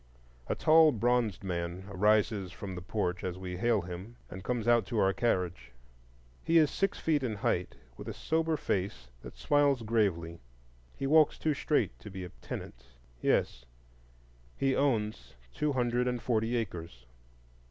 A tall bronzed man rises from the porch as we hail him, and comes out to our carriage. He is six feet in height, with a sober face that smiles gravely. He walks too straight to be a tenant,—yes, he owns two hundred and forty acres.